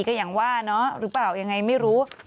ก็อย่างว่าเนาะหรือเปล่ายังไงไม่รู้